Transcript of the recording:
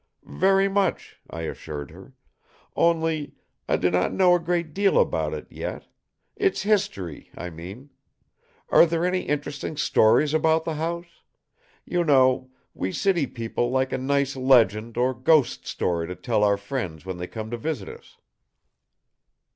"Very much," I assured her. "Only, I do not know a great deal about it, yet. Its history, I mean. Are there any interesting stories about the house? You know, we city people like a nice legend or ghost story to tell our friends when they come to visit us."